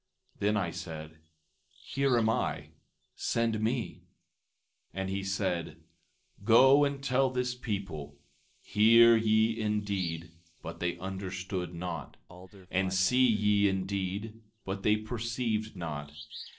Then I said: Here am I; send me. 16:9 And he said: Go and tell this people—Hear ye indeed, but they understood not; and see ye indeed, but they perceived not.